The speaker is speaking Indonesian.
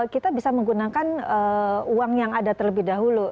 kita bisa menggunakan uang yang ada terlebih dahulu